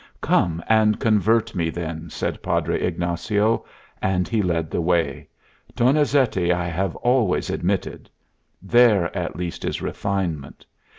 "Come and convert me, then," said Padre Ignacio, and he led the way. "Donizetti I have always admitted. There, at least, is refinement.